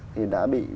thì đã bị